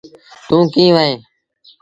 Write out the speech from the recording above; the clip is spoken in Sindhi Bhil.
توݩ ڪيݩ وهيݩ۔